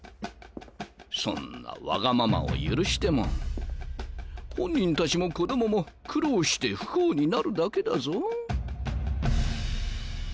そんなわがままを許しても本人たちも子供も苦労して不幸になるだけだぞ。